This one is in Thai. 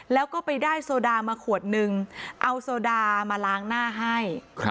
แล้วก็ไปได้โซดามาขวดนึงเอาโซดามาล้างหน้าให้